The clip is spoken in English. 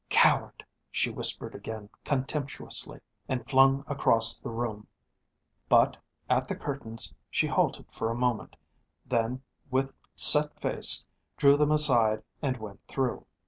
"Coward!" she whispered again contemptuously, and flung across the room. But at the curtains she halted for a moment, then with set face drew them aside and went through.